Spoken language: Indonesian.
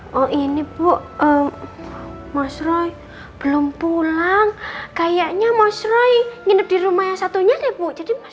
hai oh ini bu mas roy belum pulang kayaknya mas roy nginep di rumah yang satunya deh bu jadi mas